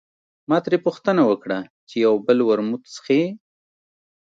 ما ترې پوښتنه وکړه چې یو بل ورموت څښې.